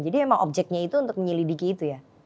jadi emang objeknya itu untuk menyelidiki itu ya